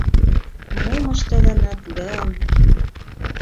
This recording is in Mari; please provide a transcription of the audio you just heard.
Мом ыштылыныт гын?